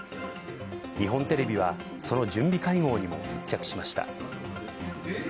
日本テレビは、その準備会合にも密着しました。